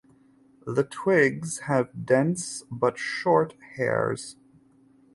The twigs have dense but short hairs.